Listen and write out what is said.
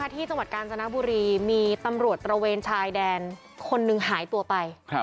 ที่จังหวัดกาญจนบุรีมีตำรวจตระเวนชายแดนคนหนึ่งหายตัวไป